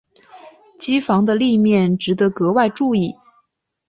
机房的立面值得格外注意。